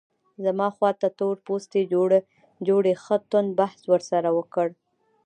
زما خواته تور پوستي جوړې ښه توند بحث ورسره وکړ.